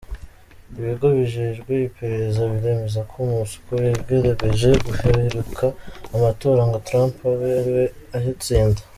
Ibigo bijejwe iperereza biremeza ko Moscou yagerageje guhirika amatora ngo Trump abe ariwe ayatsinda.